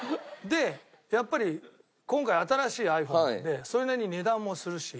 でやっぱり今回新しいｉＰｈｏｎｅなんでそれなりに値段もするし。